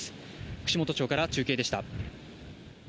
串本町から中継でした。